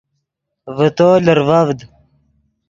ڤے تو لرڤڤد